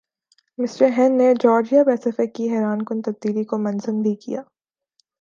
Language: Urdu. مِسٹر ہین نے جارجیا پیسیفک کی حیرانکن تبدیلی کو منظم بھِی کِیا